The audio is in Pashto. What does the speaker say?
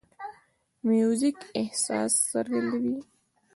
موزیک احساس څرګندوي.